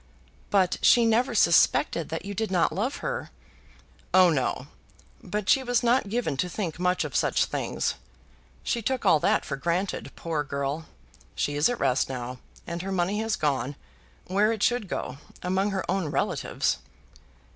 "But she never suspected that you did not love her?" "Oh no. But she was not given to think much of such things. She took all that for granted. Poor girl! she is at rest now, and her money has gone, where it should go, among her own relatives."